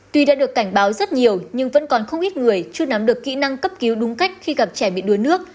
tuy đã được cảnh báo rất nhiều nhưng vẫn còn không ít người chưa nắm được kỹ năng cấp cứu đúng cách khi gặp trẻ bị đuối nước